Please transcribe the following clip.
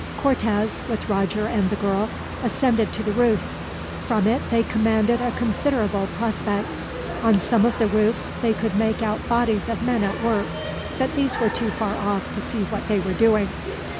Cortez, with Roger and the girl, ascended to the roof. From it they commanded a considerable prospect. On some of the roofs they could make out bodies of men at work, but these were too far off to see what they were doing.